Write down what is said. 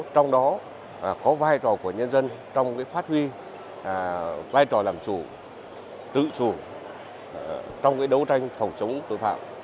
trong đó có vai trò của nhân dân trong phát huy vai trò làm chủ tự chủ trong đấu tranh phòng chống tội phạm